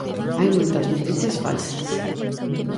Hai moitas noticias falsas.